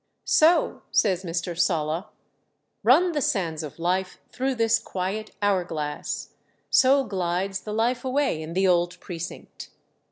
"So," says Mr. Sala, "run the sands of life through this quiet hour glass; so glides the life away in the old Precinct.